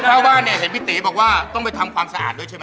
ชาวบ้านเนี่ยเห็นพี่ตีบอกว่าต้องไปทำความสะอาดด้วยใช่ไหม